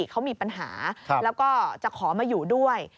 เขามีปัญหาแล้วก็จะขอมาอยู่ด้วย